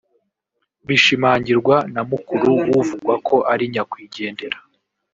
Bishimangirwa na mukuru w’uvugwa ko ari nyakwigendera